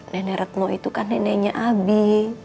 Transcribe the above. nenek retno itu kan neneknya abi